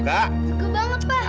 suka banget pa